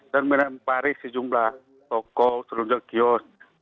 dan menempari sejumlah toko selunjuk kios